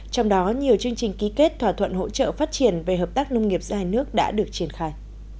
trong đó nhiều chương trình ký kết thỏa thuận hỗ trợ phát triển về hợp tác nông nghiệp giữa hai nước đã được triển khai